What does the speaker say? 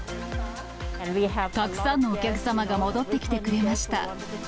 たくさんのお客様が戻ってきてくれました。